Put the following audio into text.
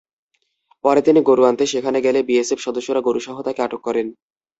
পরে তিনি গরু আনতে সেখানে গেলে বিএসএফ সদস্যরা গরুসহ তাঁকে আটক করেন।